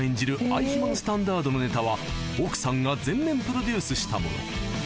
アイヒマンスタンダードのネタは奥さんが全面プロデュースしたもの